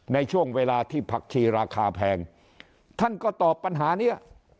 ในช่วงเวลาที่ผักชีราคาแพงท่านก็ตอบปัญหาเนี้ย